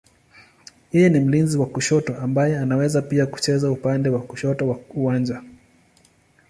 Yeye ni mlinzi wa kushoto ambaye anaweza pia kucheza upande wa kushoto wa uwanja.